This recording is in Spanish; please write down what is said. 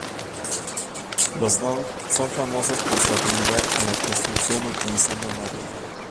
Los dong son famosos por su habilidad en la construcción utilizando madera.